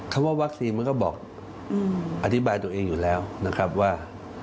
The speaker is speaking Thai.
คำว่าวัคซีนมันก็บอกอธิบายตัวเองอยู่แล้วนะครับว่า